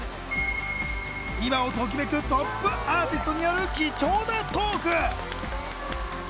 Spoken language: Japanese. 今をときめくトップアーティストによる貴重なトーク！